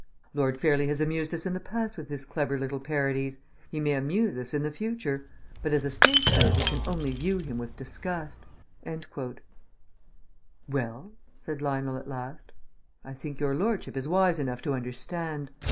"Lord Fairlie has amused us in the past with his clever little parodies; he may amuse us in the future; but as a statesman we can only view him with disgust...." "Well?" said Lionel at last. "I think your lordship is wise enough to understand.